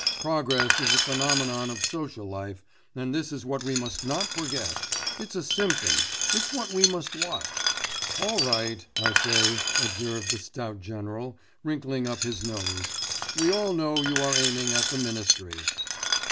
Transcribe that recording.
Progress is a phenomenon of social life, and this is what we must not forget; it's a symptom. It's what we must watch.' 'All right, I say,' observed the stout general, wrinkling up his nose; 'we all know you are aiming at the ministry.